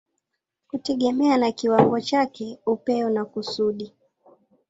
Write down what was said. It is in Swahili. kutegemea na kiwango chake, upeo na kusudi.